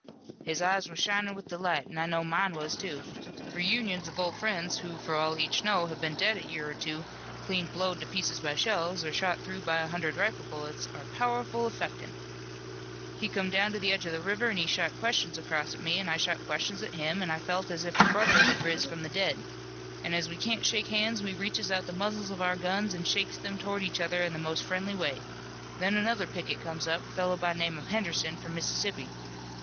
"His eyes were shinin' with delight an' I know mine was, too. Reunions of old friends who for all each know have been dead a year or two, clean blowed to pieces by shells, or shot through by a hundred rifle bullets are powerful affectin'. He come down to the edge of the river an' he shot questions across to me, an' I shot questions at him, an' I felt as if a brother had riz from the dead. An' as we can't shake hands we reaches out the muzzles of our guns and shakes them towards each other in the most friendly way. Then another picket comes up, fellow by name of Henderson, from Mississippi.